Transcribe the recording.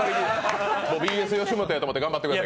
ＢＳよしもとだと思って頑張ってください。